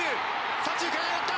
左中間へ上がった！